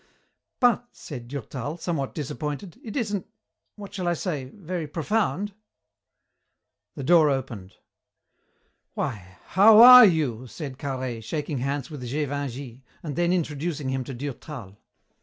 "But," said Durtal, somewhat disappointed, "it isn't what shall I say? very profound." The door opened. "Why, how are you!" said Carhaix, shaking hands with Gévingey, and then introducing him to Durtal.